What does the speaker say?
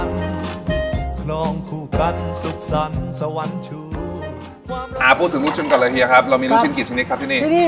อ่าพูดถึงลูกชิ้นกันเลยเฮียครับเรามีลูกชิ้นกี่ชนิดครับที่นี่